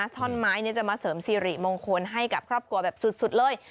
ท่อนไม้จะมาเสริมสิริมงคลให้กับครอบครัวแบบสุดเลย